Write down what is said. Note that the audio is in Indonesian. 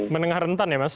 menengah rentan ya mas